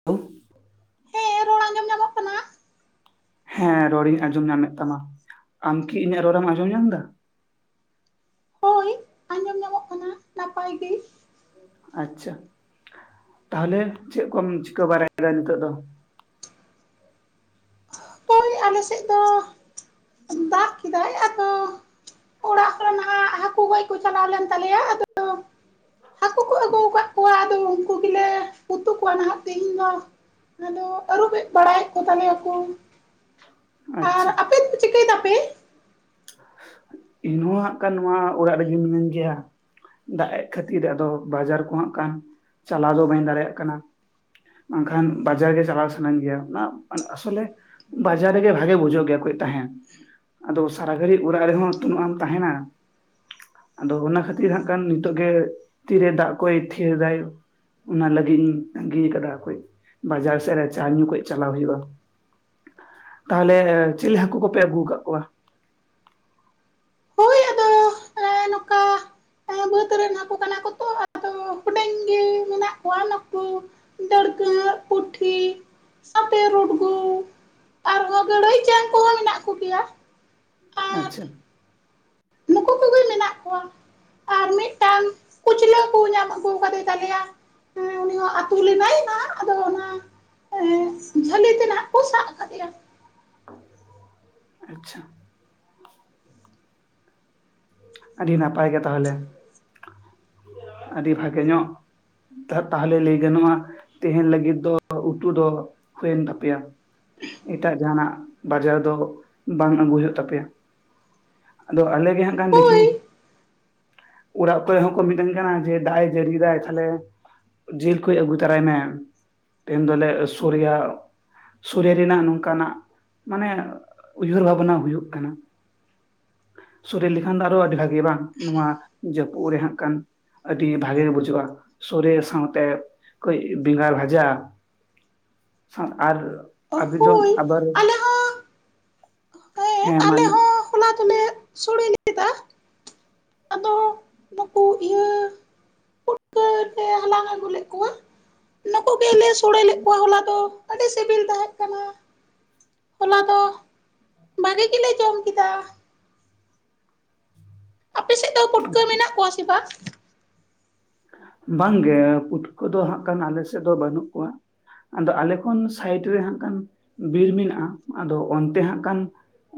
[inaudible] ᱦᱮᱸ ᱨᱚᱲ ᱟᱸᱡᱚᱢ ᱧᱟᱢᱚᱜ ᱠᱟᱱᱟ ᱦᱮᱸ ᱨᱚᱲᱤᱧ ᱟᱸᱡᱚᱢ ᱧᱟᱢᱮᱫ ᱛᱟᱢᱟ ᱟᱢᱠᱤ ᱤᱧᱟᱹᱜ ᱨᱚᱲᱮᱢ ᱟᱸᱡᱚᱢ ᱧᱟᱢ ᱮᱫᱟ? ᱦᱳᱭ ᱟᱸᱡᱚᱢ ᱧᱟᱢᱚᱜ ᱠᱟᱱᱟ ᱱᱟᱯᱟᱭ ᱜᱮ᱾ ᱟᱪᱪᱷᱟ ᱛᱟᱦᱚᱞᱮ ᱪᱮᱫ ᱠᱚᱢ ᱪᱤᱠᱟᱹ ᱵᱟᱲᱟᱭᱮᱫᱟ ᱱᱤᱛᱚᱜ ᱫᱚ? ᱦᱳᱭ ᱟᱞᱮ ᱥᱮᱫ ᱫᱚ ᱫᱟᱜ ᱠᱮᱫᱟᱭ ᱟᱫᱚ ᱚᱲᱟᱜ ᱦᱚᱲ ᱱᱟᱦᱟᱜ ᱦᱟᱹᱠᱩ ᱜᱚᱪ ᱠᱚ ᱪᱟᱞᱟᱣ ᱞᱮᱱ ᱛᱟᱞᱮᱭᱟ ᱟᱫᱚ ᱦᱟᱹᱠᱩ ᱠᱚ ᱟᱹᱜᱩ ᱟᱠᱟᱫ ᱠᱚᱣᱟ ᱟᱫᱚ ᱩᱱᱠᱩ ᱜᱮᱞᱮ ᱩᱛᱩ ᱠᱚᱣᱟ ᱱᱟᱦᱟᱜ ᱛᱤᱦᱤᱧ ᱫᱚ᱾ ᱟᱫᱚ ᱟᱹᱨᱩᱵ ᱵᱟᱲᱟᱭᱮᱫ ᱠᱚ ᱛᱟᱞᱮᱭᱟ ᱠᱚ᱾ [inaudible] ᱟᱪᱪᱷᱟ᱾ ᱪᱮᱛ ᱯᱮ ᱪᱤᱠᱟᱹᱭ ᱫᱟᱯᱮ? ᱤᱧᱦ ᱦᱟᱸᱜ ᱠᱟᱱ ᱱᱚᱣᱟ ᱚᱲᱟᱜ ᱨᱮᱜᱤᱧ ᱢᱮᱱᱤᱧ ᱜᱮᱭᱟ᱾ ᱫᱟᱜ ᱮᱜ ᱠᱷᱟᱹᱛᱤᱨ ᱟᱫᱚ ᱵᱟᱡᱟᱨ ᱠᱚ ᱦᱟᱜ ᱠᱷᱟᱱ ᱪᱟᱞᱟᱣ ᱫᱚ ᱵᱟᱹᱧ ᱫᱟᱲᱮᱭᱟᱜ ᱠᱟᱱᱟ᱾ ᱵᱟᱝᱠᱷᱟᱱ ᱵᱟᱡᱟᱨ ᱜᱮ ᱪᱟᱞᱟᱣ ᱥᱟᱱᱟᱧ ᱜᱮᱭᱟ ᱚᱱᱟ ᱟᱥᱚᱞᱮ ᱵᱟᱡᱟᱨ ᱨᱮᱜᱮ ᱵᱷᱟᱜᱤ ᱵᱩᱡᱷᱟᱹᱣ ᱜᱮᱭᱟ ᱠᱳᱡ ᱛᱟᱦᱮᱸᱱ ᱟᱫᱚ ᱥᱟᱨᱟ ᱜᱷᱟᱹᱲᱤ ᱚᱲᱟᱜ ᱨᱮᱦᱚᱸ ᱩᱤᱱᱟᱹᱜ [inaudible] ᱮᱢ ᱛᱟᱦᱮᱱᱟ ᱟᱫᱚ ᱚᱱᱟ ᱠᱷᱟᱹᱛᱤᱨ ᱦᱟᱸᱜ ᱠᱟᱱ ᱱᱤᱛᱚᱜ ᱜᱮ ᱛᱤᱨᱮ ᱫᱟᱜ ᱠᱚᱭ ᱛᱷᱤᱨ ᱮᱫᱟᱭ ᱚᱱᱟ ᱞᱟᱹᱜᱤᱫ ᱤᱧ ᱛᱟᱹᱜᱤ ᱟᱠᱟᱫᱟ ᱠᱩᱡ ᱵᱟᱡᱟᱨ ᱥᱮᱫ ᱨᱮ ᱪᱟ ᱧᱩ ᱠᱩᱡ ᱪᱟᱞᱟᱣ ᱦᱩᱭᱩᱜᱼᱟ᱾ ᱛᱟᱦᱚᱞᱮ ᱪᱤᱞᱤ ᱦᱟᱹᱠᱩ ᱠᱚᱯᱮ ᱟᱹᱜᱩ ᱟᱠᱟᱫ ᱠᱚᱣᱟ? ᱦᱳᱭ ᱟᱫᱚ ᱮᱸ ᱱᱚᱝᱠᱟ ᱮᱸ ᱵᱟᱹᱫᱽ ᱨᱮᱱ ᱦᱟᱹᱠᱩ ᱠᱟᱱᱟ ᱠᱚ ᱛᱚ ᱟᱫᱚ ᱦᱩᱰᱤᱧ ᱜᱮ ᱢᱮᱱᱟᱜ ᱠᱚᱣᱟ ᱱᱩᱠᱩ ᱰᱟᱹᱲᱠᱟᱹ, ᱯᱩᱴᱷᱤ ᱥᱟᱛᱮ ᱨᱩᱰᱜᱩ ᱟᱨᱦᱚᱸ ᱜᱟᱹᱲᱟᱹᱭ ᱪᱟᱝ ᱠᱚᱦᱚᱸ ᱢᱮᱱᱟᱜ ᱠᱚᱜᱮᱭᱟ ᱟᱨ ᱟᱪᱪᱷᱟ ᱱᱩᱠᱩ ᱠᱚᱜᱮ ᱢᱮᱱᱟᱜ ᱠᱚᱣᱟ ᱟᱨ ᱢᱤᱫᱴᱟᱝ ᱠᱩᱪᱞᱟᱹ ᱠᱚ ᱧᱟᱢ ᱟᱹᱜᱩ ᱟᱠᱟᱫᱮ ᱛᱟᱞᱮᱭᱟ᱾ ᱦᱮᱸ ᱩᱱᱤ ᱦᱚᱸ ᱟᱛᱩ ᱞᱮᱫᱟᱭ ᱱᱟᱜ ᱟᱫᱚ ᱚᱱᱟ ᱮᱦᱮᱸ ᱡᱷᱟᱹᱞᱤ ᱛᱮ ᱱᱟᱦ ᱠᱚ ᱥᱟᱵ ᱟᱠᱟᱫᱮᱭᱟ᱾ ᱟᱪᱪᱷᱟ ᱟᱹᱰᱤ ᱱᱟᱯᱟᱭ ᱜᱮ ᱛᱟᱦᱚᱞᱮ ᱟᱹᱰᱤ ᱵᱷᱟᱜᱮ ᱧᱚᱜ [unintelligible] ᱛᱟᱦᱚᱞᱮ ᱞᱟᱹᱭ ᱜᱟᱱᱚᱜᱼᱟ ᱛᱮᱦᱮᱱ ᱞᱟᱹᱜᱤᱫ ᱫᱚ ᱩᱛᱩ ᱫᱚ ᱦᱩᱭᱮᱱ ᱛᱟᱯᱮᱭᱟ᱾ ᱮᱴᱟᱜ ᱡᱟᱦᱟᱸᱱᱟᱜ ᱵᱟᱡᱟᱨ ᱫᱚ ᱵᱟᱝ ᱟᱹᱜᱩ ᱦᱩᱭᱩᱜ ᱛᱟᱯᱮᱭᱟ᱾ ᱟᱫᱚ ᱟᱞᱮ ᱜᱮ ᱦᱟᱸᱜ ᱠᱟᱱ ᱫᱮᱠᱷᱤ ᱦᱳᱭ ᱚᱲᱟᱜ ᱠᱚᱨᱮ ᱦᱚᱸᱠᱚ ᱢᱤᱛᱟᱹᱧ ᱠᱟᱱᱟ ᱡᱮ ᱫᱟᱜ ᱮ ᱡᱟᱹᱲᱤᱭ ᱫᱟᱭ ᱛᱟᱦᱞᱮ ᱡᱤᱞ ᱠᱟᱡ ᱟᱹᱜᱩ ᱛᱚᱨᱟᱭ ᱢᱮ ᱛᱮᱦᱮᱱ ᱫᱚᱞᱮ ᱥᱳᱨᱮᱭᱟ᱾ ᱥᱳᱨᱮ ᱨᱮᱱᱟᱜ ᱱᱚᱝᱠᱟᱱᱟᱜ ᱢᱟᱱᱮ ᱩᱭᱦᱟᱹᱨ ᱵᱷᱟᱵᱱᱟ ᱦᱩᱭᱩᱜ ᱠᱟᱱᱟ᱾ ᱥᱳᱨᱮ ᱞᱮᱠᱷᱟᱱ ᱫᱚ ᱟᱨᱚ ᱟᱹᱰᱤ ᱵᱷᱟᱜᱤ ᱵᱟᱝ ᱱᱚᱣᱟ ᱡᱟᱹᱯᱩᱫ ᱨᱮ ᱦᱟᱸᱜ ᱠᱟᱱ᱾ ᱟᱹᱰᱤ ᱵᱷᱟᱜᱮ ᱵᱩᱡᱷᱟᱹᱜᱼᱟ ᱥᱳᱨᱮ ᱥᱟᱶᱛᱮ ᱠᱟᱹᱡ ᱵᱮᱸᱜᱟᱲ ᱵᱷᱟᱡᱟ᱾ [unintelligible] ᱟᱨ ᱟᱵᱤᱱ ᱫᱚ ᱦᱳᱭ ᱟᱵᱟᱨ ᱟᱞᱮ ᱦᱚᱸ ᱦᱮᱸ ᱟᱞᱮ ᱢᱟᱱᱮ ᱦᱚᱸ ᱦᱚᱞᱟ ᱫᱚᱞᱮ ᱥᱳᱲᱮ ᱞᱮᱫᱟ᱾ ᱳ ᱤᱧ ᱯᱩᱴᱠᱟᱹ ᱞᱮ ᱦᱟᱞᱟᱝ ᱟᱹᱜᱩ ᱞᱮᱫ ᱠᱚᱣᱟ᱾ ᱱᱩᱠᱩ ᱜᱮᱞᱮ ᱥᱳᱲᱮ ᱞᱮᱫ ᱠᱚᱣᱟ ᱦᱚᱞᱟ ᱫᱚ ᱟᱹᱰᱤ ᱥᱤᱵᱤᱞ ᱛᱟᱦᱮᱸ ᱠᱟᱱᱟ᱾ ᱦᱚᱞᱟ ᱫᱚ ᱵᱷᱟᱜᱤ ᱜᱮᱞᱮ ᱡᱚᱢ ᱠᱮᱫᱟ᱾ ᱟᱯᱮ ᱥᱮᱫ ᱫᱚ ᱯᱩᱴᱠᱟᱹ ᱢᱮᱱᱟᱜ ᱠᱚᱣᱟ ᱥᱮ ᱵᱟᱝ? ᱵᱟᱝᱜᱮ ᱯᱩᱴᱠᱟᱹ ᱫᱚ ᱦᱟᱸᱜ ᱠᱷᱟᱱ ᱟᱞᱮ ᱥᱮᱫ ᱫᱚ ᱵᱟᱹᱱᱩᱜ ᱠᱚᱣᱟ᱾ ᱟᱫᱚ ᱟᱞᱮ ᱠᱷᱚᱱ ᱥᱟᱭᱤᱰ ᱨᱮ ᱦᱟᱸᱜ ᱠᱟᱱ ᱵᱤᱨ ᱢᱮᱱᱟᱜᱼᱟ ᱟᱫᱚ ᱚᱱᱛᱮ ᱦᱟᱸᱜ ᱠᱟᱱ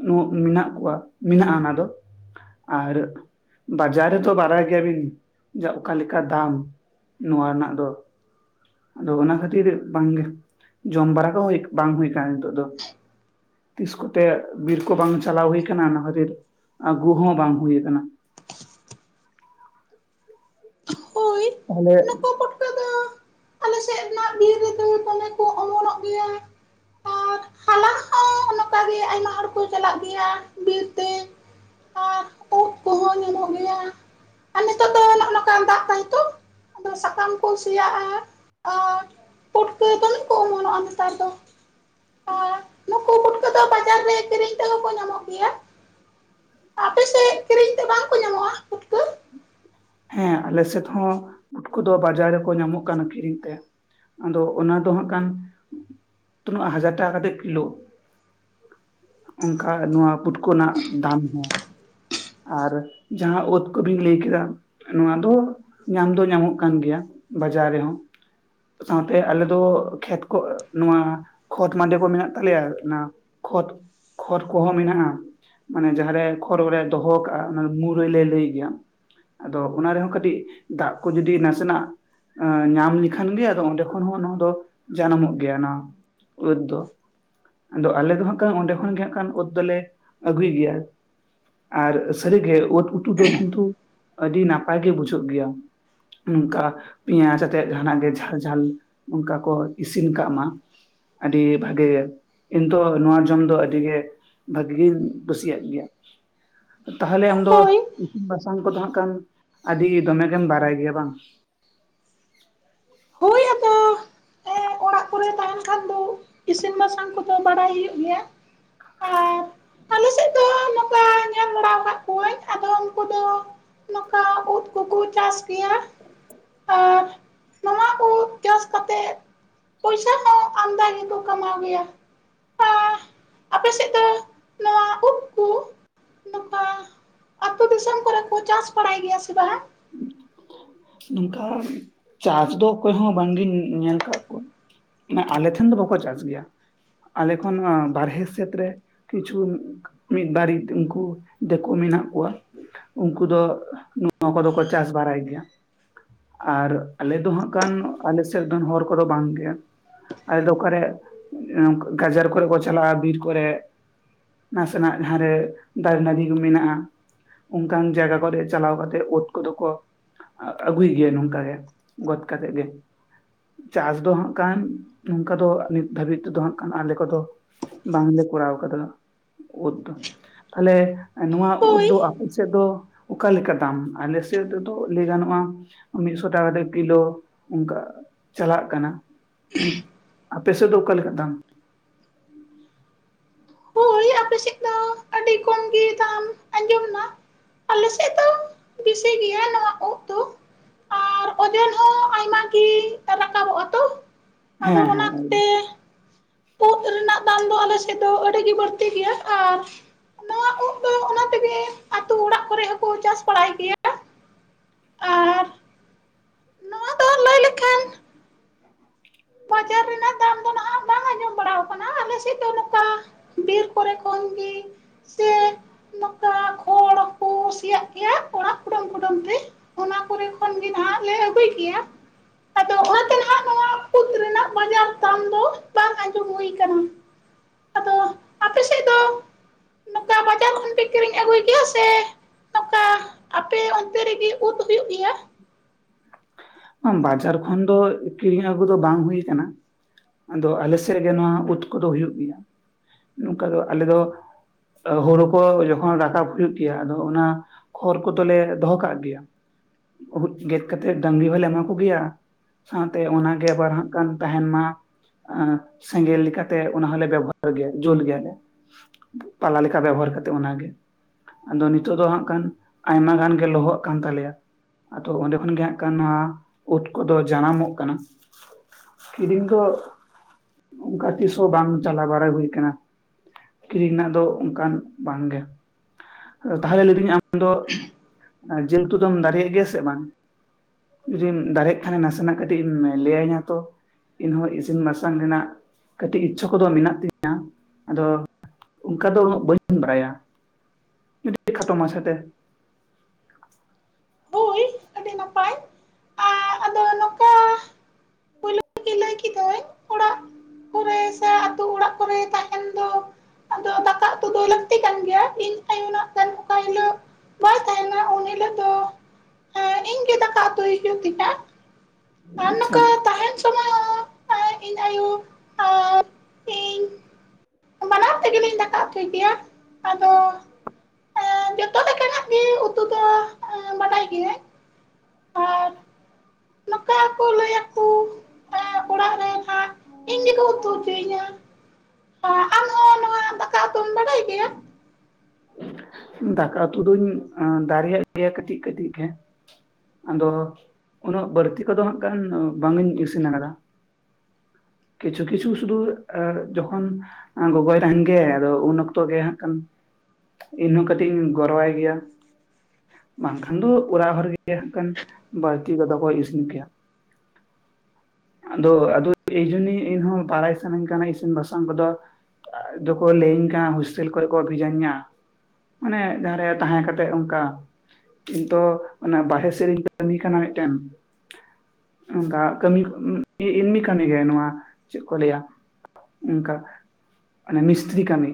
ᱱᱩᱸ ᱢᱮᱱᱟᱜ ᱠᱚᱣᱟ ᱢᱮᱱᱟᱜᱼᱟ ᱚᱱᱟ ᱫᱚ᱾ ᱟᱨ ᱵᱟᱡᱟᱨ ᱨᱮᱛᱫ ᱵᱟᱨᱟᱭ ᱜᱮᱭᱟᱵᱤᱱ [unintelligible] ᱚᱠᱟ ᱞᱮᱠᱟ ᱫᱟᱢ ᱱᱚᱣᱟ ᱨᱮᱱᱟᱜ ᱫᱚ᱾ ᱟᱫᱚ ᱚᱱᱟ ᱠᱷᱟᱹᱛᱤᱨ ᱵᱟᱝᱜᱮ ᱡᱚᱢ ᱵᱟᱲᱟ ᱠᱚ ᱵᱟᱝ ᱦᱩᱭ ᱠᱟᱱᱟ ᱱᱤᱛᱚᱜ ᱫᱚ᱾ ᱛᱤᱥ ᱠᱚᱛᱮ ᱵᱤᱨ ᱠᱚ ᱵᱟᱝ ᱪᱟᱞᱟᱣ ᱦᱩᱭ ᱟᱠᱟᱱᱟ ᱚᱱᱟ ᱠᱷᱟᱹᱛᱤᱨ ᱟᱹᱜᱩ ᱦᱚᱸ ᱵᱟᱝ ᱦᱩᱭ ᱟᱠᱟᱱᱟ᱾ ᱦᱳᱭ ᱛᱟᱦᱞᱮ ᱱᱩᱠᱩ ᱯᱩᱴᱠᱟᱹ ᱫᱚ [unintelligible] ᱵᱤᱨ ᱨᱮᱫᱚ ᱫᱚᱢᱮ ᱠᱚ ᱚᱢᱚᱱᱚᱜ ᱜᱮᱭᱟ᱾ ᱱᱚᱠᱟ ᱜᱮ ᱟᱭᱢᱟ ᱦᱚᱲ ᱠᱚ ᱪᱟᱞᱟᱜ ᱜᱮᱭᱟ ᱵᱤᱨ ᱛᱮ᱾ ᱟᱨ ᱩᱫ ᱠᱚᱦᱚᱸ ᱧᱟᱢᱚᱜ ᱜᱮᱭᱟ ᱟᱨ ᱱᱤᱛᱚᱜ ᱫᱚ ᱱᱚᱜᱼᱚ ᱱᱚᱝᱠᱟ ᱫᱟᱜ ᱫᱟᱭ ᱛᱚ ᱟᱫᱚ ᱥᱟᱠᱟᱢ ᱠᱚ ᱥᱮᱭᱟᱜᱼᱟ᱾ ᱟᱨ ᱯᱴᱠᱟᱹ ᱫᱚᱢᱮ ᱠᱚ ᱚᱢᱚᱱᱚᱜᱼᱟ ᱱᱮᱛᱟᱨ ᱫᱚ ᱟ ᱱᱩᱠᱩ ᱯᱩᱴᱠᱟᱹ ᱫᱚ ᱵᱟᱡᱟᱨ ᱨᱮ ᱠᱤᱨᱤᱧ ᱛᱮᱦᱚ ᱠᱚ ᱧᱟᱢᱚᱜ ᱜᱮᱭᱟ᱾ ᱟᱯᱮᱥᱮᱜ ᱠᱤᱨᱤᱧ ᱛᱮ ᱵᱟᱝᱠᱚ ᱧᱟᱢᱚᱜᱼᱟ ᱯᱷᱩᱴᱠᱟᱹ? ᱦᱮᱸ ᱟᱞᱮ ᱥᱮᱫ ᱦᱚᱸ ᱯᱩᱴᱠᱟᱹ ᱫᱚ ᱵᱟᱡᱟᱨ ᱨᱮᱠᱚ ᱧᱟᱢᱚᱜ ᱠᱟᱱᱟ ᱠᱤᱨᱤᱧ ᱛᱮ᱾ ᱟᱫᱚ ᱚᱱᱟ ᱫᱚ ᱦᱟᱸᱜ ᱠᱷᱟᱱ ᱛᱤᱱᱟᱹᱜ ᱦᱟᱡᱟᱨ ᱴᱟᱠᱟ ᱠᱟᱛᱮᱜ ᱠᱤᱞᱳ ᱚᱝᱠᱟ ᱱᱚᱣᱟ ᱯᱩᱴᱠᱟᱹ ᱨᱮᱱᱟᱜ ᱫᱟᱢ ᱦᱚᱸ᱾ ᱟᱨ ᱡᱟᱦᱟᱸ ᱩᱫ ᱠᱚᱵᱤᱱ ᱞᱟᱹᱭ ᱠᱮᱫᱟ᱾ ᱱᱚᱣᱟ ᱫᱚ ᱧᱟᱢ ᱫᱚ ᱧᱟᱢᱚᱜ ᱠᱟᱱ ᱜᱮᱭᱟ ᱵᱟᱡᱟᱨ ᱨᱮᱦᱚᱸ᱾ ᱥᱟᱶᱛᱮ ᱟᱞᱮ ᱫᱚ ᱠᱷᱮᱛ ᱠᱚ ᱱᱚᱣᱟ ᱠᱷᱚᱛ ᱢᱟᱸᱫᱷᱮ ᱠᱚ ᱢᱮᱱᱟᱜ ᱛᱟᱞᱮᱭᱟ ᱚᱱᱟ ᱠᱷᱚᱛ ᱠᱷᱚᱛ ᱠᱚᱦᱚᱸ ᱢᱮᱱᱟᱜᱼᱟ ᱢᱟᱱᱮ ᱡᱟᱦᱟᱸᱨᱮ ᱠᱷᱚᱨ ᱠᱚᱞᱮ ᱫᱚᱦᱚ ᱠᱟᱜᱼᱟ ᱚᱱᱟ ᱢᱩᱨᱟᱹᱭ ᱞᱮ ᱞᱟᱹᱭ ᱜᱮᱭᱟ᱾ ᱟᱫᱚ ᱚᱱᱟ ᱨᱮᱦᱚᱸ ᱠᱟᱹᱴᱤᱜ ᱫᱟᱜ ᱠᱚ ᱡᱩᱫᱤ ᱱᱟᱥᱮᱱᱟᱜ ᱮᱸ ᱧᱟᱢ ᱞᱮᱠᱷᱟᱱ ᱜᱮ ᱟᱫᱚ ᱚᱸᱰᱮ ᱠᱷᱚᱱ ᱦᱚᱸ ᱱᱚᱣᱟ ᱫᱚ ᱡᱟᱱᱟᱢᱚᱜ ᱜᱮᱭᱟ ᱱᱟ᱾ ᱩᱫ ᱫᱚ ᱟᱫᱚ ᱟᱞᱮ ᱫᱚ ᱦᱟᱸᱜ ᱠᱷᱟᱱ ᱚᱸᱰᱮ ᱠᱷᱚᱱ ᱜᱮ ᱦᱟᱸᱜ ᱠᱷᱟᱱ ᱩᱛ ᱫᱚᱞᱮ ᱟᱹᱜᱩᱭ ᱜᱮᱭᱟ᱾ ᱟᱨ ᱥᱟᱹᱨᱤᱜᱮ ᱳᱛ ᱩᱛᱩ ᱫᱚ ᱠᱤᱱᱛᱩ ᱟᱹᱰᱤ ᱱᱟᱯᱟᱭ ᱜᱮ ᱵᱩᱡᱷᱟᱹᱜ ᱜᱮᱭᱟ᱾ ᱱᱚᱝᱠᱟ ᱯᱮᱸᱭᱟᱡᱽ ᱟᱛᱮᱜ ᱡᱟᱦᱱᱟᱜ ᱜᱮ ᱡᱷᱟᱞ ᱡᱷᱟᱞ ᱚᱝᱠᱟ ᱠᱚ ᱤᱥᱤᱱ ᱠᱟᱜ ᱢᱟ᱾ ᱟᱹᱰᱤ ᱵᱷᱟᱜᱮ ᱤᱧ ᱛᱚ ᱱᱚᱣᱟ ᱡᱚᱢ ᱫᱚ ᱟᱹᱰᱤᱜᱮ ᱵᱷᱟᱜᱤ ᱜᱤᱧ ᱠᱩᱥᱤᱭᱟᱜ ᱜᱮᱭᱟ ᱛᱟᱦᱞᱮ ᱟᱢᱫᱚ ᱦᱳᱭ ᱤᱥᱤᱱ ᱵᱟᱥᱟᱝ ᱠᱚᱫᱚ ᱦᱟᱸᱜ ᱠᱷᱟᱱ ᱟᱹᱰᱤ ᱫᱚᱢᱮᱢ ᱜᱮᱢ ᱵᱟᱲᱟᱭ ᱜᱮᱭᱟ ᱵᱟᱝ? ᱦᱳᱭ ᱟᱫᱚ ᱚᱲᱟᱜ ᱠᱚᱨᱮ ᱛᱟᱦᱮᱱ ᱠᱷᱟᱱ ᱫᱚ ᱤᱥᱤᱱ ᱵᱟᱥᱟᱝ ᱠᱚᱫᱚ ᱵᱟᱲᱟᱭ ᱦᱩᱭᱩᱜ ᱜᱮᱭᱟ ᱟᱨ ᱟᱞᱮ ᱥᱮᱫ ᱫᱚ ᱱᱚᱝᱠᱟ ᱧᱮᱞ ᱵᱟᱲᱟᱣ ᱠᱟᱜ ᱠᱚᱣᱟᱹᱧ ᱟᱫᱚ ᱩᱝᱠᱩᱩ ᱫᱚ ᱱᱚᱠᱟ ᱩᱫ ᱠᱚᱠᱚ ᱪᱟᱥ ᱜᱮᱭᱟ᱾ [inaudible] ᱠᱟᱛᱮᱜ ᱯᱚᱭᱥᱟ ᱦᱚᱸ ᱟᱢᱫᱟ ᱜᱮᱠᱚ ᱠᱟᱢᱟᱣ ᱜᱮᱭᱟ᱾ ᱟ ᱟᱯᱮ ᱥᱮᱜ ᱫᱚ ᱱᱚᱣᱟ ᱩᱫ ᱠᱩ ᱱᱚᱠᱟ ᱟᱹᱛᱩ ᱫᱤᱥᱟᱹᱢ ᱠᱚᱨᱮ ᱠᱚ ᱪᱟᱥ ᱯᱟᱲᱟᱭ ᱨᱮᱭᱟ ᱥᱮ ᱵᱟᱝ? ᱱᱚᱝᱠᱟ ᱪᱟᱥ ᱫᱚ ᱚᱠᱚᱭ ᱦᱚᱸ ᱵᱟᱝᱜᱤ ᱧᱮᱞ ᱠᱟᱜ ᱠᱚᱣᱟ᱾ ᱢᱟᱱᱮ ᱟᱞᱮ ᱴᱷᱮᱱ ᱫᱚ ᱵᱟᱠᱚ ᱪᱟᱥ ᱜᱮᱭᱟ᱾ ᱟᱞᱮ ᱠᱷᱚᱱ ᱚ ᱵᱟᱨᱦᱮ ᱥᱮᱫ ᱨᱮ ᱠᱤᱪᱷᱩ ᱢᱤᱫ ᱵᱟᱨᱤᱡ ᱩᱝᱠᱩ ᱫᱤᱠᱩ ᱢᱮᱱᱟᱜ ᱠᱚᱣᱟ ᱩᱝᱠᱩ ᱫᱚ ᱱᱚᱣᱟ ᱠᱚᱫᱚ ᱠᱚ ᱪᱟᱥ ᱵᱟᱨᱟᱭ ᱜᱮᱭᱟ᱾ ᱟᱨ ᱟᱞᱮ ᱫᱚ ᱦᱟᱸᱜ ᱠᱷᱟᱱ ᱟᱞ ᱥᱮᱫ ᱨᱮᱱ ᱦᱚᱲ ᱠᱚᱫᱚ ᱵᱟᱝᱜᱮ᱾ ᱟᱞᱮ ᱫᱚ ᱚᱠᱟᱨᱮ ᱮᱸ ᱜᱟᱡᱟᱲ ᱠᱚᱨᱮ ᱠᱚ ᱪᱟᱞᱟᱜᱼᱟ ᱵᱤᱨ ᱠᱚᱨᱮᱜ᱾ ᱱᱟᱥᱮᱱᱟᱜ ᱡᱟᱦᱟᱸᱨᱮ ᱫᱟᱨᱮ ᱱᱟᱹᱲᱤ ᱠᱚ ᱢᱮᱱᱟᱜᱼᱟ᱾ ᱚᱝᱠᱟᱱ ᱡᱟᱭᱜᱟ ᱠᱚᱨᱮ ᱪᱟᱞᱟᱣ ᱠᱟᱛᱮ ᱩᱫ ᱠᱚᱫᱚ ᱠᱚ ᱟᱹ-ᱟᱹᱜᱩᱭ ᱜᱮᱭᱟ ᱱᱚᱝᱠᱟ ᱜᱮ ᱜᱚᱫ ᱠᱟᱛᱮᱜ ᱜᱮ᱾ ᱪᱟᱥ ᱫᱚ ᱦᱟᱸᱜ ᱠᱟᱱ ᱱᱚᱝᱠᱟ ᱫᱚ ᱱᱤᱛ ᱫᱷᱟᱹᱵᱤᱡ ᱛᱮᱫᱚ ᱦᱟᱸᱜ ᱠᱷᱟᱱ ᱟᱞᱮ ᱠᱚᱫᱚ ᱵᱟᱝᱞᱮ ᱠᱚᱨᱟᱣ ᱠᱟᱫᱟ ᱩᱫ ᱫᱚ ᱛᱟᱦᱞᱮ ᱮᱸ ᱱᱚᱣᱟ ᱩᱫ ᱫᱚ ᱦᱳᱭ ᱟᱯᱮ ᱥᱮᱫ ᱫᱚ ᱚᱠᱟ ᱞᱮᱠᱟ ᱫᱟᱢ? ᱟᱞᱮ ᱥᱮᱫ ᱨᱮᱫᱚ ᱞᱟᱹᱭ ᱜᱟᱱᱚᱜᱼᱟ ᱢᱤᱜᱥᱚ ᱴᱟᱠᱟ ᱠᱟᱛᱮ ᱠᱤᱞᱳ ᱚᱝᱠᱟ᱾ ᱪᱟᱞᱟᱜ ᱠᱟᱱᱟ᱾ [inaudible] ᱟᱯᱮ ᱥᱮᱜ ᱫᱚ ᱚᱠᱟ ᱞᱮᱠᱟ ᱫᱟᱢ? ᱟᱯᱮᱥᱮᱜ ᱫᱚ ᱟᱹᱰᱤ ᱠᱚᱢ ᱜᱮ ᱫᱟᱢ ᱟᱸᱡᱚᱢ ᱱᱟ᱾ ᱟᱞᱮ ᱥᱮᱫ ᱫᱚ ᱵᱤᱥᱤ ᱜᱮᱭᱟ ᱱᱚᱣᱟ ᱩᱫ ᱫᱚ ᱟᱨ ᱚᱡᱚᱱ ᱦᱚᱸ ᱟᱭᱢᱟᱜᱤ ᱨᱟᱠᱟᱵᱚᱜᱼᱟ ᱛᱚ ᱟᱫᱚ ᱦᱮᱸ ᱦᱮᱸ ᱚᱱᱟᱛᱮ ᱩᱫ ᱨᱮᱱᱟᱜ ᱫᱟᱢ ᱫᱚ ᱟᱞᱮ ᱥᱮᱫ ᱫᱚ ᱟᱹᱰᱤ ᱜᱮ ᱵᱟᱹᱲᱛᱤ ᱜᱮᱭᱟ ᱟᱨ ᱱᱚᱣᱟ ᱩᱫ ᱫᱚ ᱚᱱᱟ ᱛᱮᱜᱮ ᱟᱛᱩ ᱚᱲᱟᱜ ᱠᱚᱨᱮ ᱦᱚᱸᱠᱚ ᱪᱟᱥ ᱵᱟᱲᱟᱭ ᱜᱮᱭᱟ᱾ ᱟᱨ ᱱᱚᱣᱟ ᱫᱚ ᱞᱟᱹᱭ ᱞᱮᱠᱷᱟᱱ ᱵᱟᱡᱟᱨ ᱨᱮᱱᱟᱜ ᱫᱟᱢ ᱫᱚ ᱱᱟᱦᱟᱜ ᱵᱟᱝ ᱟᱸᱡᱚᱢ ᱵᱟᱲᱟᱣ ᱠᱟᱱᱟ ᱟᱞᱮ ᱥᱮᱫ ᱫᱚ ᱱᱚᱝᱠᱟ ᱵᱤᱨ ᱠᱚᱨᱮ ᱠᱷᱚᱱ ᱜᱮ ᱥᱮ ᱱᱚᱝᱠᱟ ᱠᱷᱚᱲ ᱠᱩ ᱥᱤᱭᱟᱜ ᱜᱮᱭᱟ ᱚᱲᱟᱜ ᱠᱩᱰᱟᱹᱢ ᱠᱩᱰᱟᱹᱢ ᱛᱮ ᱚᱱᱟ ᱠᱚᱨᱮ ᱠᱷᱚᱱᱜᱮ ᱱᱟᱸᱦᱟᱜ ᱞᱮ ᱟᱹᱜᱩᱭ ᱜᱤᱭᱟ᱾ ᱠᱩᱫ ᱨᱮᱱᱟᱜ ᱵᱟᱡᱟᱨ ᱫᱟᱢ [unintelligible] ᱫᱚ ᱵᱟᱝ ᱟᱸᱡᱚᱢ ᱦᱩᱭ ᱟᱠᱟᱱᱟ, ᱟᱫᱚ ᱟᱯᱮ ᱥᱮᱫ ᱫᱚ [inaudible] [unintelligible] ᱠᱷᱚᱱ ᱯᱮ ᱠᱤᱨᱤᱧ ᱟᱹᱜᱩᱭ ᱜᱮᱭᱟ ᱥᱮ ᱱᱚᱝᱠᱟ ᱟᱯᱮ ᱚᱱᱛᱮ ᱨᱮᱜᱮ ᱩᱫ ᱦᱩᱭᱩᱜ ᱜᱮᱭᱟ? ᱵᱟᱡᱟᱨ ᱠᱷᱚᱱ ᱫᱚ ᱠᱤᱨᱤᱧ ᱟᱹᱜᱩ ᱫᱚ ᱵᱟᱝ ᱦᱩᱭ ᱟᱠᱟᱱᱟ᱾ ᱟᱫᱚ ᱟᱞᱮ ᱥᱮᱫ ᱨᱮᱜᱮ ᱱᱚᱣᱟ ᱩᱫ ᱠᱚᱫᱚ ᱦᱩᱭᱩᱜ ᱜᱮᱭᱟ ᱱᱚᱝᱠᱟ ᱫᱚ ᱟᱞᱮ ᱫᱚ ᱦᱳᱲᱳ ᱠᱚ ᱡᱚᱠᱷᱚᱱ ᱨᱟᱠᱟᱵ ᱦᱩᱭᱩᱜ ᱜᱮᱭᱟ ᱟᱫᱚ ᱚᱱᱟ ᱠᱷᱚᱨ ᱠᱚᱫᱚᱞᱮ ᱫᱚᱦᱚ ᱠᱟᱜ ᱜᱮᱭᱟ ᱩᱫ ᱜᱮᱫ ᱠᱟᱛᱮᱫ ᱰᱟᱹᱝᱨᱤ ᱦᱚᱸᱞᱮ ᱮᱢᱟ ᱠᱚᱜᱮᱭᱟ ᱥᱟᱶᱛᱮ ᱚᱱᱟᱜᱮ ᱟᱵᱟᱨ ᱦᱟᱸᱜ ᱠᱟᱱ ᱛᱟᱦᱮᱱ ᱢᱟ᱾ ᱥᱮᱸᱜᱮᱞ ᱞᱮᱠᱟᱛᱮ ᱚᱱᱟ ᱦᱚᱸᱞᱮ ᱵᱮᱵᱚᱦᱟᱨ ᱜᱮᱭᱟ ᱡᱳᱞ ᱜᱮᱭᱟᱞᱮ᱾ ᱯᱟᱞᱟ ᱞᱮᱠᱟ ᱵᱮᱵᱚᱦᱟᱨ ᱠᱟᱛᱮᱜ ᱚᱱᱟᱜᱮ ᱟᱫᱚ ᱱᱤᱛᱚᱜ ᱫᱚ ᱦᱟᱸᱜ ᱠᱷᱟᱱ ᱟᱭᱢᱟ ᱜᱟᱱ ᱜᱮ ᱞᱚᱦᱚᱜ ᱠᱟᱱ ᱛᱟᱞᱮᱭᱟ᱾ ᱟᱫᱚ ᱚᱱᱰᱮ ᱠᱷᱚᱱᱜᱮ ᱦᱟᱸᱜ ᱠᱟᱱᱟ ᱳᱫ ᱠᱚᱫᱚ ᱡᱟᱱᱟᱢᱚᱜ ᱠᱟᱱᱟ᱾ ᱠᱤᱨᱤᱧ ᱫᱚ ᱩᱱᱠᱟ ᱛᱤᱥᱦᱚᱸ ᱵᱟᱝ ᱪᱟᱞᱟᱣ ᱵᱟᱲᱟᱭ ᱦᱩᱭ ᱟᱠᱟᱱᱟ᱾ ᱠᱤᱨᱤᱧ ᱨᱮᱱᱟᱜ ᱫᱚ ᱚᱱᱠᱟᱱ ᱵᱟᱝᱜᱮ ᱛᱟᱦᱚᱞᱮ ᱞᱟᱹᱭᱫᱟᱹᱧ ᱟᱢ ᱫᱚ ᱡᱤᱞ ᱩᱛᱩ ᱫᱚᱢ ᱫᱟᱲᱮᱭᱟᱜ ᱜᱮᱭᱟ ᱥᱮ ᱵᱟᱝ? ᱡᱩᱫᱤᱢ ᱫᱟᱨᱮᱜ ᱠᱷᱟᱱᱮ ᱱᱟᱥᱮᱱᱟᱜ ᱠᱟᱹᱴᱤᱡ ᱮᱢ ᱞᱟᱹᱭᱟᱹᱧᱟᱹ ᱛᱚ᱾ ᱤᱧᱦᱚᱸ ᱤᱥᱤᱱ ᱵᱟᱥᱟᱝ ᱨᱮᱱᱟᱜ ᱠᱟᱹᱴᱤᱡ ᱤᱪᱪᱷᱟᱹ ᱠᱚᱫᱚ ᱢᱮᱱᱟᱜ ᱛᱤᱧᱟᱹ, ᱟᱫᱚ ᱚᱱᱠᱟ ᱫᱚ ᱩᱱᱟᱹᱜ ᱵᱟᱹᱧ ᱵᱟᱲᱟᱭᱟ, ᱡᱩᱫᱤ ᱠᱷᱟᱴᱚᱢᱟᱪᱷᱟᱛᱮ ᱦᱳᱭ ᱟᱹᱰᱤ ᱱᱟᱯᱟᱭ᱾ ᱟᱨ [unintelligible] ᱠᱤ ᱞᱟᱹᱭ ᱠᱟᱹᱫᱟᱹᱧ ᱚᱲᱟᱜ ᱠᱚᱨᱮ ᱥᱮ ᱟᱛᱩ ᱚᱲᱟᱜ ᱠᱚᱨᱮ ᱛᱟᱦᱮᱱ ᱫᱚ ᱟᱫᱚ ᱫᱟᱠᱟ ᱩᱛᱩ ᱫᱚ ᱞᱟᱹᱠᱛᱤ ᱠᱟᱱ ᱜᱮᱭᱟ ᱤᱧ ᱟᱭᱳ ᱱᱟᱜ ᱠᱷᱟᱱ ᱚᱠᱟ ᱦᱤᱞᱳᱜ ᱵᱟᱭ ᱛᱟᱦᱮᱱᱟ ᱩᱱ ᱦᱤᱞᱳᱜ ᱫᱚ ᱮᱸᱜ ᱤᱧᱜᱮ ᱫᱟᱠᱟ ᱩᱛᱩᱭ ᱦᱤᱡᱩᱜ ᱛᱤᱧᱟ᱾ ᱟᱨ ᱟᱪᱪᱷᱟ ᱱᱚᱝᱠᱟ ᱛᱟᱦᱮᱱ ᱥᱚᱢᱚᱭ ᱦᱚᱸ ᱤᱧ ᱟᱭᱳ [unintelligible] ᱵᱟᱱᱟ ᱦᱚᱲ ᱛᱮᱜᱮᱞᱤᱧ ᱫᱟᱠᱟ ᱩᱛᱩᱭ ᱠᱮᱭᱟ ᱟᱫᱚ ᱮᱸ ᱡᱚᱛᱚ ᱞᱮᱠᱟᱱᱟᱜ ᱜᱮ ᱩᱛᱩ ᱫᱚ ᱵᱟᱰᱟᱭ ᱜᱤᱭᱟᱹᱧ᱾ ᱟᱨ ᱱᱚᱠᱟ ᱠᱚ ᱞᱟᱹᱭᱟ ᱚᱲᱟᱜ ᱨᱮᱱ ᱦᱟᱸᱜ ᱤᱧ ᱜᱮᱠᱚ ᱩᱛᱩ ᱦᱚᱪᱚᱭᱤᱧᱟ᱾ ᱟᱢ ᱦᱚᱸ ᱱᱚᱣᱟ ᱫᱟᱠᱟ ᱩᱛᱩᱢ ᱵᱟᱲᱟᱭ ᱜᱮᱭᱟ? ᱫᱟᱠᱟ ᱩᱛᱩ ᱫᱩᱧ ᱫᱟᱨᱮᱭᱟᱜ ᱜᱮᱭᱟ ᱠᱟᱹᱴᱤᱡ ᱠᱟᱹᱴᱤᱡ ᱜᱮ ᱟᱫᱚ ᱩᱱᱟᱹᱜ ᱵᱟᱹᱲᱛᱤ ᱠᱚᱫᱚ ᱦᱟᱸᱜ ᱠᱷᱟᱱ ᱵᱟᱝ ᱤᱧ ᱤᱥᱤᱱ ᱟᱠᱟᱫᱟ᱾ ᱠᱤᱪᱷᱩ ᱠᱤᱪᱷᱩ ᱥᱩᱫᱩ ᱟ ᱡᱚᱠᱷᱚᱱ ᱜᱚᱜᱚᱭ ᱛᱟᱦᱮᱱ ᱜᱮ ᱟᱫᱚ ᱩᱱ ᱚᱠᱛᱚ ᱜᱮ ᱦᱟᱸᱜ ᱠᱷᱟᱱ ᱤᱱᱦᱚᱸ ᱠᱟᱹᱴᱤᱡ ᱤᱧ ᱜᱚᱨᱚᱣᱟᱭ ᱜᱮᱭᱟ᱾ ᱵᱟᱝᱠᱷᱟᱱ ᱫᱚ ᱚᱲᱟᱜ ᱦᱚᱲ ᱜᱮ ᱦᱟᱸᱜ ᱠᱟᱱ ᱵᱟᱹᱲᱛᱤ ᱠᱚᱫᱚ ᱠᱚ ᱤᱥᱤᱱ ᱠᱮᱭᱟ᱾ ᱟᱫᱚ ᱟᱫᱚ ᱮᱭ ᱡᱚᱱᱤ ᱤᱱᱦᱚᱸ ᱵᱟᱲᱟᱭ ᱥᱟᱱᱟᱧ ᱠᱟᱱᱟ ᱤᱥᱤᱱ ᱵᱟᱥᱟᱝ ᱠᱚᱫᱚ ᱟᱫᱚᱠᱚ ᱞᱟᱹᱭᱞᱟᱸᱧ ᱠᱟᱱᱟ ᱦᱳᱥᱴᱮᱞ ᱠᱚᱨᱮ ᱠᱚ ᱵᱷᱮᱡᱟᱧᱟ᱾ ᱢᱟᱱᱮ ᱡᱟᱦᱟᱸᱨᱮ ᱛᱟᱦᱮᱸ ᱠᱟᱛᱮᱜ ᱚᱝᱠᱟ ᱤᱧ ᱛᱚ ᱚᱱᱟ ᱵᱟᱨᱮ ᱥᱮᱫ ᱨᱤᱧ ᱠᱟᱹᱢᱤ ᱠᱟᱱᱟ ᱢᱤᱫᱴᱮᱱ᱾ ᱚᱱᱠᱟ ᱠᱟᱹᱢᱤ ᱮᱢᱱᱤ ᱠᱟᱹᱢᱤ ᱜᱮ ᱱᱚᱣᱟ ᱪᱮᱫ ᱠᱚ ᱞᱟᱹᱭᱟ? ᱚᱱᱠᱟ ᱢᱟᱱᱮ ᱢᱤᱥᱛᱨᱤ ᱠᱟᱹᱢᱤ᱾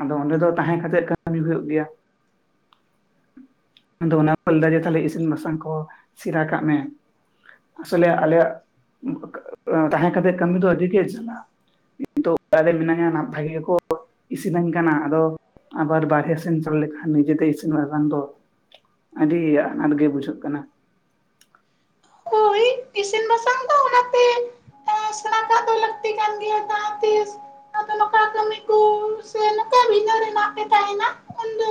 ᱟᱫᱚ ᱚᱸᱰᱮ ᱫᱚ ᱛᱟᱦᱮᱸ ᱠᱟᱛᱮᱜ ᱠᱟᱹᱢᱤ ᱦᱩᱭᱩᱜ ᱜᱮᱭᱟ᱾ ᱟᱫᱚ ᱚᱱᱟ ᱠᱚ ᱞᱟᱹ ᱫᱟ ᱡᱮ ᱛᱟᱦᱞᱮ ᱤᱥᱤᱱ ᱵᱟᱥᱟᱝ ᱠᱚ ᱥᱤᱨᱟ ᱠᱟᱜ ᱢᱮ᱾ ᱟᱥᱚᱞᱮ ᱟᱞᱮᱭᱟᱜ ᱛᱟᱦᱮᱸ ᱠᱟᱛᱮᱜ ᱠᱟᱹᱢᱤ ᱫᱚ ᱟᱹᱰᱤ ᱜᱮ ᱡᱟᱞᱟ᱾ [unintelligible] ᱚᱲᱟᱨ ᱨᱮ ᱢᱱᱟᱧᱟ ᱱᱟᱯᱷᱟ ᱜᱮ ᱠᱚ ᱤᱥᱤᱱᱟᱹᱧ ᱠᱟᱱᱟ ᱟᱫᱚ ᱟᱵᱟᱨ ᱵᱟᱨᱦᱮ ᱥᱮᱱ ᱪᱟᱞᱟᱣ ᱞᱮᱠᱷᱟᱱ ᱱᱤᱡᱮᱛᱮ ᱤᱥᱤᱱ ᱵᱟᱠᱷᱟᱝ ᱫᱚ ᱟᱹᱰᱤ ᱟᱱᱟᱴ ᱜᱮ ᱵᱩᱡᱷᱟᱹᱜ ᱠᱟᱱᱟ᱾ ᱦᱳᱭ ᱤᱥᱤᱱ ᱵᱟᱥᱟᱝ ᱫᱚ ᱚᱱᱟᱛᱮ ᱮᱸ ᱥᱮᱬᱟ ᱠᱟᱜ ᱫᱟ ᱞᱟᱹᱠᱛᱤ ᱠᱟᱱ ᱜᱮᱭᱟ ᱡᱟᱦᱟ ᱛᱤᱥ ᱟᱫᱚ ᱱᱚᱝᱠᱟ ᱠᱟᱹᱢᱤ ᱠᱚ ᱥᱮ ᱱᱚᱠᱟ ᱵᱷᱤᱱᱟᱹ ᱨᱮᱱᱟᱜ ᱯᱮ ᱛᱟᱦᱮᱱᱟ ᱩᱱᱫᱚ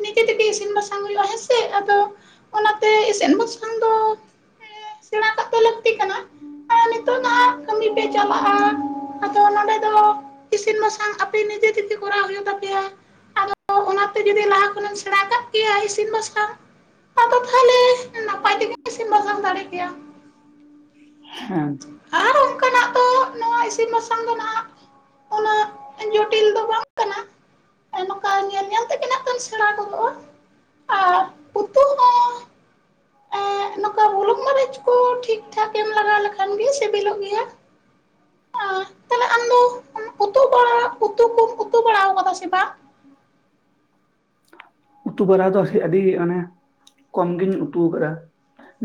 ᱱᱤᱡᱮ ᱛᱮᱜᱮ ᱤᱥᱤᱱ ᱵᱟᱥᱟᱝ ᱦᱩᱭᱩᱜᱼᱟ ᱦᱮᱸᱥᱮ ᱟᱫᱚ ᱚᱱᱟᱛᱮ ᱤᱥᱤᱱ ᱵᱟᱥᱟᱝ ᱫᱚ ᱥᱮᱬᱟ ᱠᱟᱜ ᱫᱚ ᱞᱟᱹᱠᱛᱤ ᱠᱟᱱᱟ ᱟᱨ [inaudible] ᱱᱤᱛᱚᱜ ᱫᱚ ᱦᱟᱸᱜ ᱠᱟᱹᱢᱤ ᱯᱮ ᱪᱟᱞᱟᱜᱼᱟ ᱟᱫᱚ ᱱᱚᱸᱰᱮ ᱫᱚ ᱤᱥᱤᱱ ᱵᱟᱥᱟᱝ ᱟᱯᱮ ᱱᱤᱡᱮ ᱛᱮᱜᱮ ᱠᱚᱨᱟᱣ ᱦᱩᱭᱩᱜ ᱛᱟᱯᱮᱭᱟ ᱟᱫᱚ ᱚᱱᱟ ᱛᱮ ᱡᱩᱫᱤ ᱞᱟᱦᱟ ᱠᱷᱚᱱᱮᱢ ᱥᱮᱸᱬᱟ ᱠᱟᱜ ᱠᱮᱭᱟ ᱤᱥᱤᱱ ᱵᱟᱥᱟᱝ ᱟᱫᱚ ᱛᱟᱦᱞᱮ ᱱᱟᱯᱟᱭ ᱛᱮᱜᱮ ᱤᱥᱤᱱ ᱵᱟᱥᱟᱝ ᱫᱟᱲᱮ ᱠᱮᱭᱟ᱾ ᱦᱮᱸ ᱟᱨ ᱚᱝᱠᱟᱱᱟᱜ ᱫᱚ ᱱᱚᱣᱟ ᱤᱥᱤᱱ ᱵᱟᱥᱟᱝ ᱫᱚ ᱱᱟᱦᱟᱜ ᱩᱱᱟᱹᱜ ᱡᱚᱴᱤ ᱧᱮᱞ ᱧᱮᱞ ᱛᱮᱜᱮ ᱱᱟᱜ ᱠᱷᱟᱱ ᱥᱮᱸᱬᱟ ᱜᱚᱫᱚᱜᱼᱟ ᱟᱨ ᱩᱛᱩ ᱦᱚᱸ [inaudible] ᱱᱚᱠᱟ ᱵᱩᱞᱩᱝ ᱢᱟᱨᱤᱪ ᱠᱚ ᱴᱷᱤᱠ ᱴᱷᱟᱠ ᱮᱢ ᱞᱟᱜᱟᱣ ᱞᱮᱠ ᱥᱤᱵᱤᱞᱚ ᱜᱮᱭᱟ ᱟᱸ ᱛᱟᱦᱞᱮ ᱟᱢᱫᱚ ᱩᱛᱩ ᱵᱟᱲᱟ ᱩᱛᱩ ᱠᱩᱢ ᱩᱛᱩ ᱵᱟᱲᱟᱣ ᱠᱟᱫᱟ ᱥᱮ ᱵᱟᱝ? ᱩᱛᱩ ᱵᱟᱲᱟ ᱫᱚ ᱟᱹᱰᱤ ᱚᱱᱮ ᱠᱚᱢᱜᱤᱧ ᱩᱛᱩᱣ ᱠᱟᱫᱟ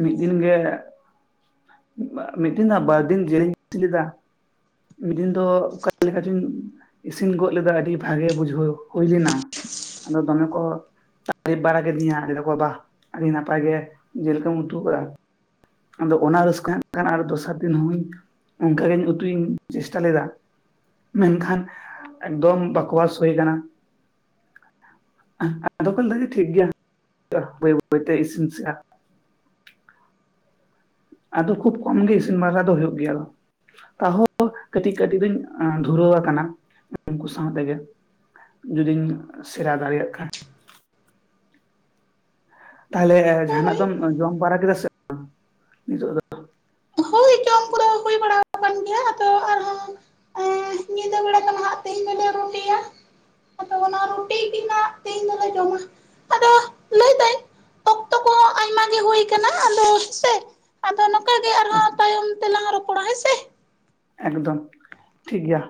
ᱢᱤᱫ ᱫᱤᱱ ᱜᱮ ᱢᱤᱫ ᱫᱤᱱ ᱫᱚ ᱵᱟᱨ ᱫᱤᱱ ᱡᱤᱞᱤᱧ ᱩᱛᱩ ᱞᱮᱫᱟ᱾ ᱢᱤᱫ ᱫᱤᱱ ᱫᱚ ᱚᱠᱟ ᱞᱮᱠᱟᱪᱚᱧ ᱤᱥᱤᱱ ᱜᱚᱫ ᱞᱮᱫᱟ ᱟᱹᱰᱤ ᱵᱷᱟᱜᱮ ᱵᱩᱡᱷᱟᱹᱣ ᱦᱩᱭᱞᱮᱱᱟ ᱟᱫᱚ ᱫᱚᱢᱮ ᱠᱚ ᱴᱟᱭᱤᱯ ᱵᱟᱲᱟ ᱠᱮᱫᱤᱧᱟ ᱞᱟᱹᱭ ᱫᱟᱠᱚ ᱵᱟ ᱟᱹᱰᱤ ᱱᱟᱯᱟᱭ ᱜᱮ ᱡᱮᱞᱠᱚᱢ ᱩᱛᱩᱣ ᱠᱟᱫᱟ᱾ ᱟᱫᱚ ᱚᱱᱟ ᱨᱟᱹᱥᱠᱟᱹ ᱦᱟᱸᱜ ᱠᱷᱟᱱ ᱫᱚᱥᱟᱨ ᱫᱤᱱ ᱦᱚᱸᱧ ᱚᱝᱠᱟᱜ ᱜᱮᱧ ᱩᱛᱩᱧ ᱪᱮᱥᱴᱟ ᱞᱮᱫᱟ᱾ ᱢᱮᱱᱠᱷᱟᱱ ᱮᱠᱫᱚᱢ ᱵᱟᱠᱚᱣᱟᱥ ᱦᱩᱭ ᱠᱟᱱᱟ᱾ ᱟᱫᱚᱠᱚ ᱞᱟᱹᱭ ᱫᱟ ᱴᱷᱤᱠ ᱜᱮᱭᱟ ᱵᱟᱹᱭ ᱵᱟᱹᱭ ᱵᱟᱹᱭᱛᱮ ᱤᱥᱤᱱ ᱥᱮᱲᱟ ᱟᱫᱚ ᱠᱷᱩᱵ ᱠᱚᱢ ᱜᱮ ᱤᱥᱤᱱ ᱵᱟᱥᱟ ᱫᱚ ᱦᱳᱭᱳᱜ ᱜᱮᱭᱟ ᱟᱫᱚ᱾ ᱛᱟᱦᱚᱸ ᱠᱟᱹᱴᱤᱡ ᱠᱟᱹᱴᱤᱡ ᱫᱚᱧ ᱫᱷᱩᱨᱟᱹᱣ ᱠᱟᱱᱟ ᱩᱝᱠᱩ ᱥᱟᱶ ᱛᱮᱜᱮ᱾ ᱡᱩᱫᱤᱧ ᱥᱮᱬᱟ ᱫᱟᱲᱮᱭᱟᱜ ᱠᱷᱟᱱ᱾ ᱛᱟᱦᱞᱮ ᱡᱟᱦᱱᱟᱜ ᱦᱳᱭ ᱫᱚᱢ ᱡᱚᱢ ᱵᱟᱲᱟ ᱠᱮᱫᱟ ᱥᱮ ᱵᱟᱝ ᱱᱤᱛᱚᱜ ᱫᱚ? ᱦᱳᱭ ᱡᱚᱢ ᱠᱚᱫᱚ ᱦᱩᱭ ᱵᱟᱲᱟ [inaudible] ᱮᱸ ᱧᱤᱫᱟᱹ ᱵᱮᱲᱟ ᱫᱚ ᱱᱟᱦᱟᱜ ᱛᱮᱦᱮᱧ ᱫᱚᱞᱮ ᱨᱩᱴᱤᱭᱟ ᱟᱫᱚ ᱚᱱᱟ ᱨᱩᱴᱤ ᱜᱮᱱᱟᱜ ᱛᱮᱦᱮᱧ ᱫᱚᱞᱮ ᱡᱚᱢᱟ ᱟᱫᱚ ᱞᱟᱹᱭ ᱚᱠᱛᱚ ᱠᱚᱦᱚᱸ ᱟᱭᱢᱟ ᱜᱮ ᱦᱩᱭ ᱠᱟᱱᱟ ᱟᱫᱚ ᱦᱮᱸᱥᱮ ᱟᱫᱚ ᱱᱚᱝᱠᱟ ᱟᱪᱷᱟ ᱫᱮᱟᱝᱞ ᱨᱚᱯᱚᱲᱟ ᱦᱮᱸ ᱥᱮ᱾ ᱮᱠᱫᱚᱢ ᱴᱷᱤᱠ ᱜᱮᱭᱟ᱾